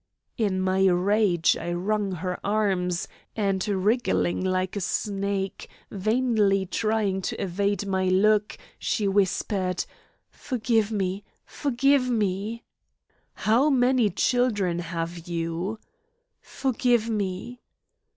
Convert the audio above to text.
In my rage I wrung her arms, and wriggling like a snake, vainly trying to evade my look, she whispered: "Forgive me; forgive me." "How many children have you?" "Forgive me."